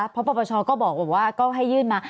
เพราะปปชก็บอกว่าก็ให้ยื่นมา